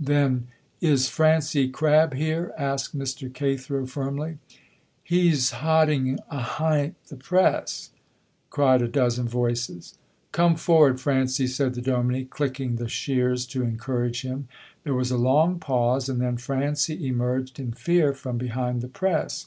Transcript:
Then "Is Francie Crabb here?" asked Mr. Cathro, firmly. "He's hodding ahint the press," cried a dozen voices. "Come forward, Francie," said the dominie, clicking the shears to encourage him. There was a long pause, and then Francie emerged in fear from behind the press.